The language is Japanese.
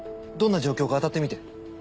どんな状況かあたってみて。